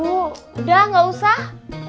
udah gak usah